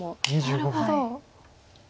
なるほど。